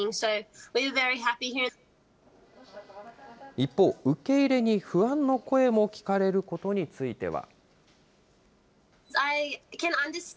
一方、受け入れに不安の声も聞かれることについては。